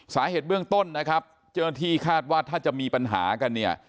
สาเหตุเบื้องต้นนะครับเจ้าหน้าที่คาดว่าถ้าจะมีปัญหากันเนี่ย